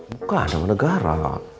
bukan nama negara